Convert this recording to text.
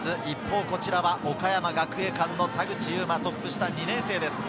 こちらは岡山学芸館の田口裕真、トップ下、２年生です。